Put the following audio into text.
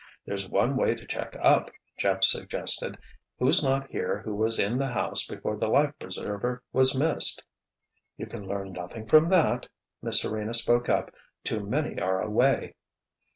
"There's one way to check up," Jeff suggested. "Who's not here who was in the house before the life preserver was missed?" "You can learn nothing from that," Miss Serena spoke up. "Too many are away."